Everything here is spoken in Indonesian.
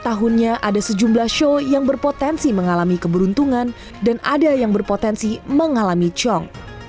tahunnya ada sejumlah show yang berpotensi mengalami keberuntungan dan ada yang berpotensi mengalami cong